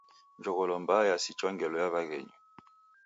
Jogholo mbaa yasichwa ngelo ya w'aghenyu.